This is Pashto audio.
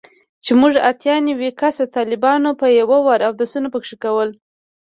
چې موږ اتيا نوي کسه طلباو به په يو وار اودسونه پکښې کول.